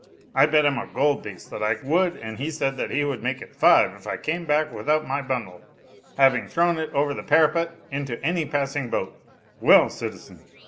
I bet him a gold piece that I would and he said that he would make it five if I came back without my bundle, having thrown it over the parapet into any passing boat. Well, citizen!"